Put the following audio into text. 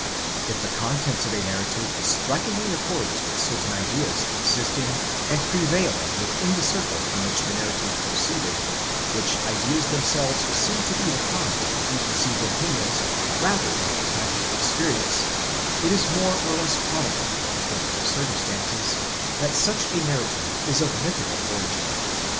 If the contents of a narrative strikingly accords with certain ideas existing and prevailing within the circle from which the narrative proceeded, which ideas themselves seem to be the product of preconceived opinions rather than of practical experience, it is more or less probable, according to circumstances, that such a narrative is of mythical origin.